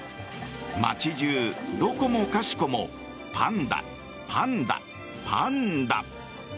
街中どこもかしこもパンダ、パンダ、パンダ。